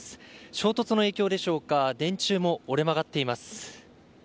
衝突の影響でしょうか電柱も折れ曲がっています。